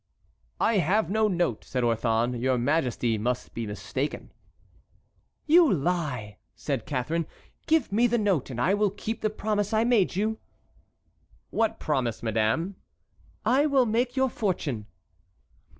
"I have no note," said Orthon; "your majesty must be mistaken." "You lie," said Catharine; "give me the note, and I will keep the promise I made you." "What promise, madame?" "I will make your fortune."